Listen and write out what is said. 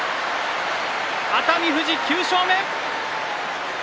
熱海富士９勝目。